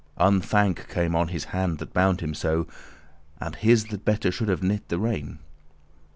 Unthank* come on his hand that bound him so *ill luck, a curse And his that better should have knit the rein."